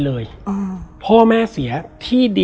แล้วสักครั้งหนึ่งเขารู้สึกอึดอัดที่หน้าอก